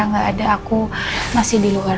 nggak ada aku masih di luar